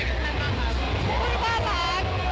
ก็ไม่เปล่าภาค